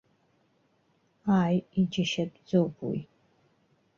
Ааи, иџьашьатәӡоуп уи.